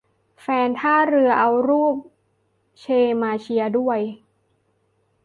แฟนท่าเรือเอารูปเชมาเชียร์ด้วย !